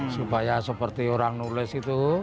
supaya seperti orang nulis itu